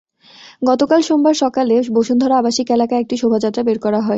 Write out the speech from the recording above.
গতকাল সোমবার সকালে বসুন্ধরা আবাসিক এলাকায় একটি শোভাযাত্রা বের করা হয়।